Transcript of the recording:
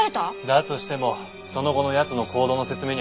だとしてもその後の奴の行動の説明にはならない。